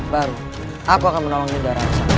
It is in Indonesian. baru aku akan menolong yunda rancang